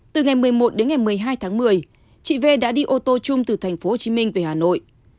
từ ngày một mươi một một mươi hai một mươi chị v đã đi ô tô chung từ thành phố hồ chí minh về hà nội